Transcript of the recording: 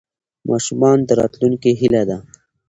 ماشومان د راتلونکي هیله ده.